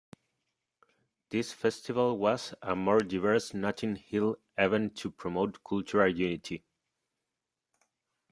This festival was a more diverse Notting Hill event to promote cultural unity.